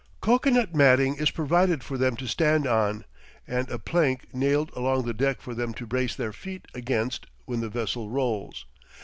Cocoanut matting is provided for them to stand on, and a plank nailed along the deck for them to brace their feet against when the vessel rolls.